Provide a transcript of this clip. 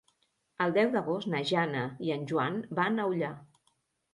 El deu d'agost na Jana i en Joan van a Ullà.